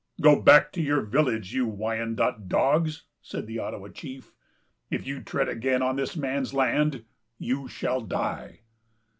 "Go back to your village, you Wyandot dogs," said the Ottawa chief; "if you tread again on this man's land, you shall die."